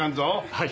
はい。